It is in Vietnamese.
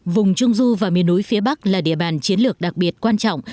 vùng trung du và miền núi phía bắc là địa bàn chiến lược đặc biệt quan trọng